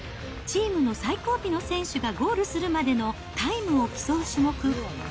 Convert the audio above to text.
チームの最後尾の選手がゴールするまでのタイムを競う種目。